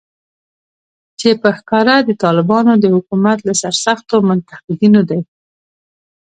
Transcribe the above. چې په ښکاره د طالبانو د حکومت له سرسختو منتقدینو دی